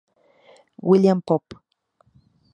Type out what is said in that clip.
William Popp